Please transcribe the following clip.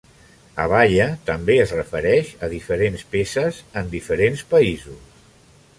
Abaya també es refereix a diferents peces en diferents països.